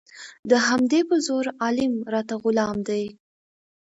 د همدې په زور عالم راته غلام دی